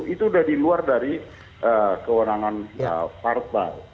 itu udah di luar dari kewenangan ya parbal